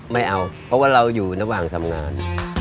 ไม่เอาเพราะว่าเราอยู่ระหว่างทำงาน